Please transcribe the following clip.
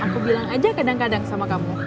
di cafe aku bilang aja kadang kadang sama kamu